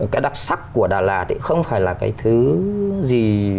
cái đặc sắc của đà lạt thì không phải là cái thứ gì